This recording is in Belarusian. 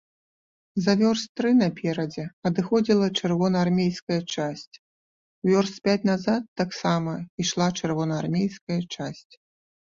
За вёрст тры наперадзе адыходзіла чырвонаармейская часць, вёрст пяць назад таксама ішла чырвонаармейская часць.